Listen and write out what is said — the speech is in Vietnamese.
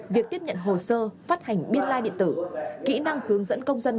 việc tiếp nhận hồ sơ phát hành biên lai điện tử kỹ năng hướng dẫn công dân